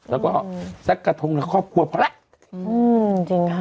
แล้วก็กระทงแล้วครอบครัวพอแล้ว